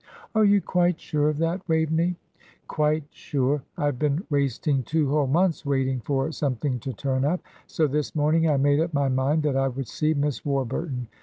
"Are you quite sure of that, Waveney?" "Quite sure. I have been wasting two whole months waiting for something to turn up, so this morning I made up my mind that I would see Miss Warburton.